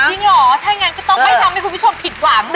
จริงเหรอถ้างั้นก็ต้องไม่ทำให้คุณผู้ชมผิดหวัง